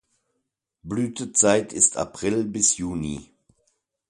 Blütezeit ist April bis Juni.